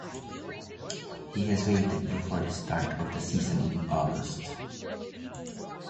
He was waived before the start of the season in August.